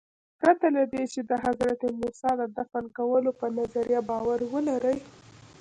پرته له دې چې د حضرت موسی د دفن کولو په نظریه باور ولرئ.